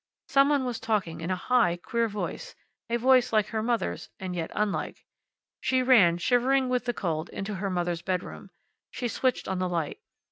Some one was talking in a high, queer voice, a voice like her mother's, and yet unlike. She ran, shivering with the cold, into her mother's bedroom. She switched on the light.